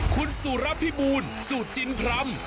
คุณสุรพิบูลสูตรจิ้นพร้ำ